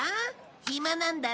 暇なんだろ？